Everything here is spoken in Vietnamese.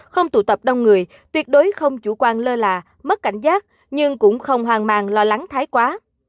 không tụ tập đông người tuyệt đối không chủ quan lơ là mất cảnh giác nhưng cũng không hoang mang lo lắng thái quá